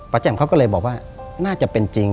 แจ่มเขาก็เลยบอกว่าน่าจะเป็นจริง